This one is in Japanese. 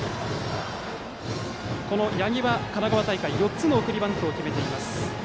この八木は神奈川大会４つの送りバントを決めています。